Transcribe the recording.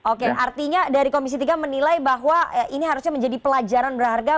oke artinya dari komisi tiga menilai bahwa ini harusnya menjadi pelajaran berharga